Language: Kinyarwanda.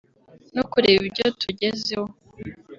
no kureba ibyo tugezeho